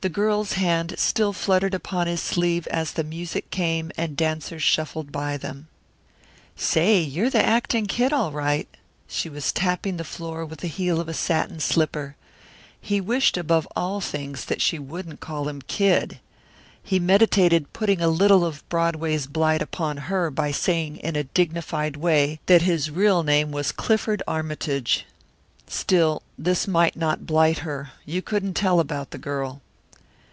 The girl's hand still fluttered upon his sleeve as the music came and dancers shuffled by them. "Say, you're the actin' kid, all right." She was tapping the floor with the heel of a satin slipper. He wished above all things that she wouldn't call him "Kid." He meditated putting a little of Broadway's blight upon her by saying in a dignified way that his real name was Clifford Armytage. Still, this might not blight her you couldn't tell about the girl.